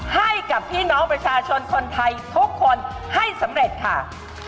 ให้กับพี่น้องประชาชนคนไทยทุกคนให้สำเร็จค่ะ